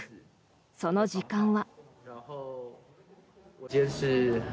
その時間は。